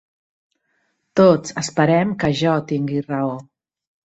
Tots esperem que jo tingui raó.